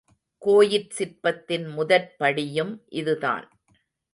கோயிற் சிற்பத்தின் முதற்படியும் இதுதான்.